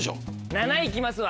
７位行きますわ。